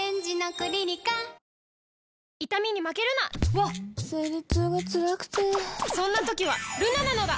わっ生理痛がつらくてそんな時はルナなのだ！